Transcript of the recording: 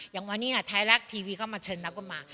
อย่างวันนี้ไทยรัฐทีวีเข้ามาเชิญนับกันมา